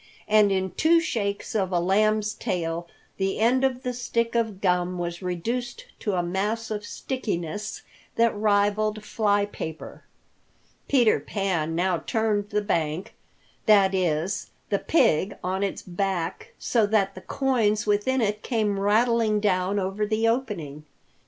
And in two shakes of a lamb's tail the end of the stick of gum was reduced to a mass of stickiness that rivaled fly paper. Peter Pan now turned the bank, that is, the pig on its back so that the coins within it came rattling down over the opening.